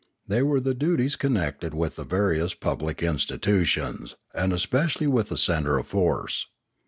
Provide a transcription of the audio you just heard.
They were the duties connected with the various public institutions, and especially with the centre of force.